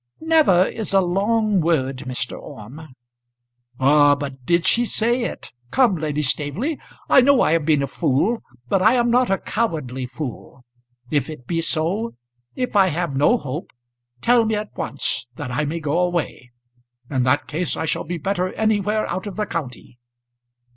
"Never is a long word, Mr. Orme." "Ah, but did she say it? Come, Lady Staveley; I know I have been a fool, but I am not a cowardly fool. If it be so; if I have no hope, tell me at once, that I may go away. In that case I shall be better anywhere out of the county."